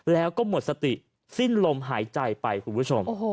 แล้วก็หมดสติสิ้นลมหายใจไปคุณผู้ชม